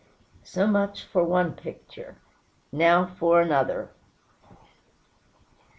So much for one picture. Now for another.